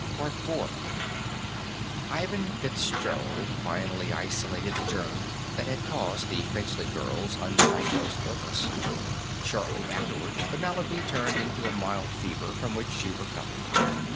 Ivan Fitzgerald finally isolated the germ that had caused the Finchley girl's undiagnosed illness. Shortly afterward, the malady turned into a mild fever, from which she recovered.